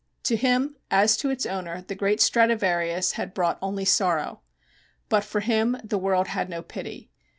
To him, as to its owner, the great Stradivarius had brought only sorrow. But for him the world had no pity.